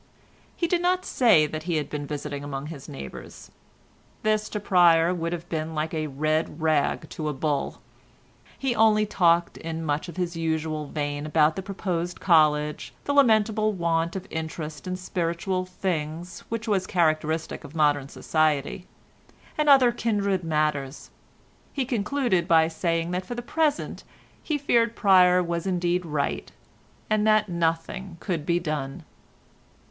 He did not say that he had been visiting among his neighbours; this to Pryer would have been like a red rag to a bull. He only talked in much his usual vein about the proposed College, the lamentable want of interest in spiritual things which was characteristic of modern society, and other kindred matters; he concluded by saying that for the present he feared Pryer was indeed right, and that nothing could be done.